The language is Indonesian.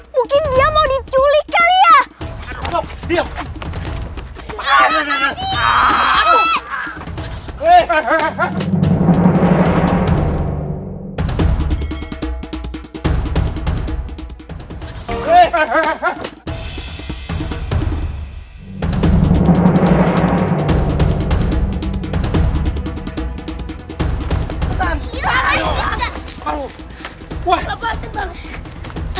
mungkin dia mau diculik kali ya